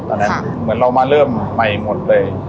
ตอนนั้นเหมือนเรามาเริ่มไปหมดเลย